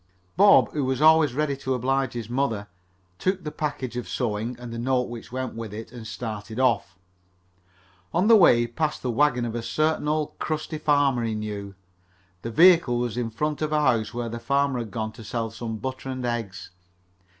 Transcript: Bob, who was always ready to oblige his mother, took the package of sewing and the note which went with it and started off. On the way he passed the wagon of a certain old crusty farmer he knew. The vehicle was in front of a house where the farmer had gone to sell some butter and eggs.